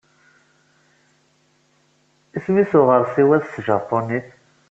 Isem-nnes uɣersiw-a s tjapunit?